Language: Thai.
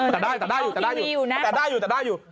แต่ได้แต่ได้อยู่จะได้อยู่นะแต่ได้อยู่แต่ได้อยู่